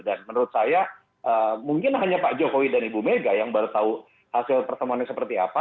dan menurut saya mungkin hanya pak jokowi dan ibu mega yang baru tahu hasil pertemuan ini seperti apa